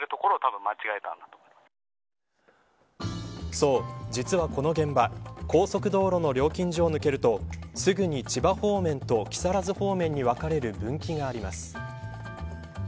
そう、実はこの現場高速道路の料金所を抜けるとすぐに千葉方面と木更津方面に分かれる分岐があります。